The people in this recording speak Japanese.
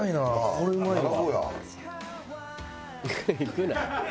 これうまいわ。